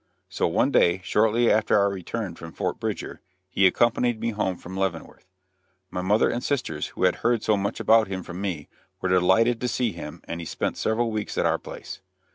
So one day, shortly after our return from Fort Bridger, he accompanied me home from Leavenworth. My mother and sisters, who had heard so much about him from me, were delighted to see him and he spent several weeks at our place.